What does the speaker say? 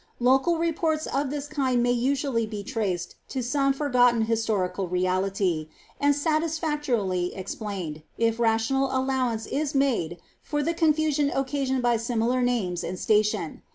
Loral reports of this kind may usually be traced to some otten historical reality, and satisfactorily explained, if rational ailow i KB made for the confusion occasioned by similar names and station.